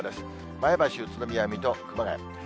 前橋、宇都宮、水戸、熊谷。